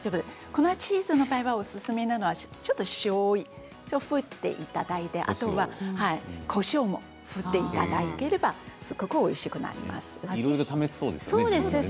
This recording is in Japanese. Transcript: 粉チーズでおすすめなのはちょっと塩を振っていただいてあとはこしょうも振っていただければすごくおいしくなります。